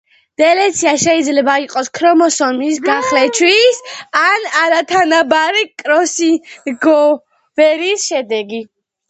დელეცია შეიძლება იყოს ქრომოსომის გახლეჩვის ან არათანაბარი კროსინგოვერის შედეგი.